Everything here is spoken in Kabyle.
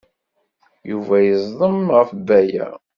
Yuba yeẓdem ɣef Baya.